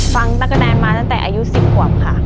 ฟังตั๊กกะแตนมาตั้งแต่อายุสิบหวับค่ะ